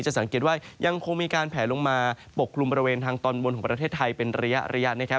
สังเกตว่ายังคงมีการแผลลงมาปกกลุ่มบริเวณทางตอนบนของประเทศไทยเป็นระยะนะครับ